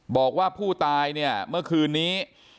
บอกว่าผู้ตายเนี่ยเมื่อคืนนี้